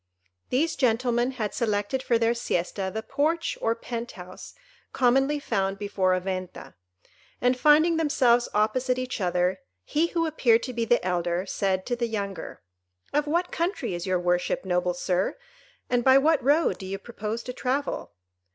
These gentlemen had selected for their siesta the porch or penthouse commonly found before a Venta; and, finding themselves opposite each other, he who appeared to be the elder said to the younger, "Of what country is your worship, noble Sir, and by what road do you propose to travel?"